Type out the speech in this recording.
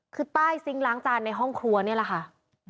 คือใต้ซิงค์ล้างจานในห้องครัวนี่แหละค่ะ